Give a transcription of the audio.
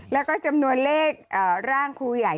แล้วก็จำนวนเลขร่างครูใหญ่